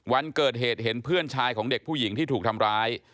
วันเกิดเหตุเห็นเพื่อนชายของเด็กผู้หญิงที่ถูกทำร้าย